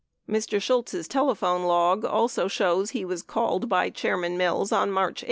16 Mr. Shultz' telephone log also shows he was called by Chairman Mills on March 8.